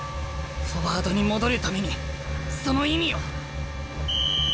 フォワードに戻るためにその意味を。